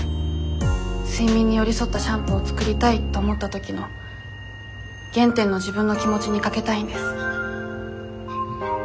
睡眠に寄り添ったシャンプーを作りたいと思った時の原点の自分の気持ちに賭けたいんです。